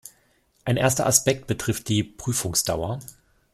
Ein erster Aspekt betrifft die Prüfungsdauer.